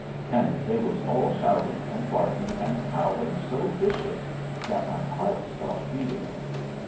And they was all shouting and barking and howling so vicious that my heart stopped beating.